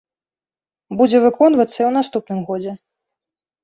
Будзе выконвацца і ў наступным годзе.